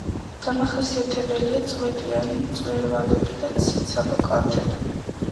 დამახასიათებელია წვეტიანი მწვერვალები და ციცაბო კალთები.